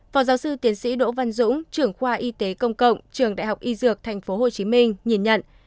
phó giáo sư tiến sĩ đỗ văn dũng trưởng khoa y tế công cộng trường đại học y dược tp hcm nhìn nhận